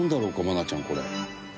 愛菜ちゃんこれ。